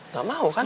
gak mau kan